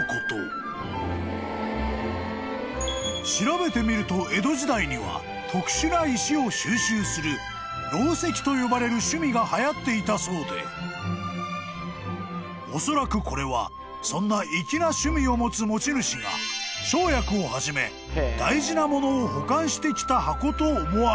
［調べてみると江戸時代には特殊な石を収集する弄石と呼ばれる趣味がはやっていたそうでおそらくこれはそんな粋な趣味を持つ持ち主が生薬をはじめ大事なものを保管してきた箱と思われる］